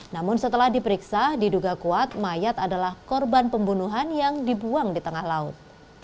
namun setelah diperiksa diduga kuat mayat adalah korban pembunuhan yang dibuang di tengah laut